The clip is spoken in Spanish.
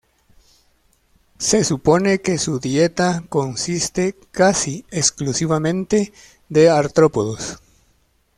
Se supone que su dieta consiste casi exclusivamente de artrópodos.